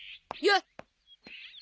よっ！